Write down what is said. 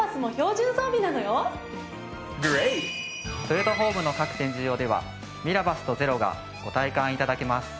トヨタホームの各展示場ではミラバスとｚｅｒｏがご体感頂けます。